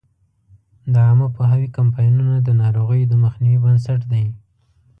د عامه پوهاوي کمپاینونه د ناروغیو د مخنیوي بنسټ دی.